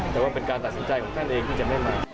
แต่ว่าเป็นการตัดสินใจของท่านเองที่จะไม่มา